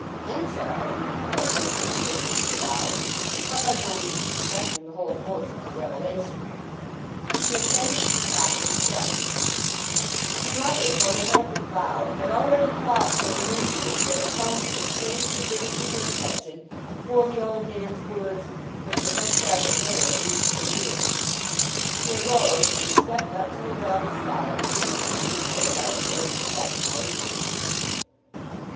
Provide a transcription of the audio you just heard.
"Henchard!" said Elizabeth Jane, surprised, but by no means suspecting the whole force of the revelation. She ascended to the top of the steps. Her mother, though her head was bowed, had already caught from the inn window tones that strangely riveted her attention, before the old man's words, "Mr. Henchard, the Mayor," reached her ears. She arose, and stepped up to her daughter's side as soon as she could do so without showing exceptional eagerness.